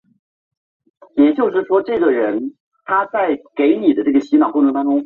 明清时升正四品。